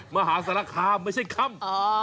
มหาสระค่ำไม่ใช่คำ